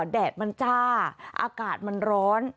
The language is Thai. แดดมันจ้าอากาศมันร้อน